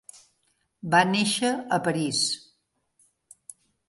Va néixer a París.